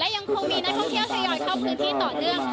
ยังคงมีนักท่องเที่ยวทยอยเข้าพื้นที่ต่อเนื่อง